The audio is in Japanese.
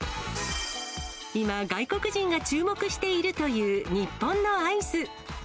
今、外国人が注目しているという、日本のアイス。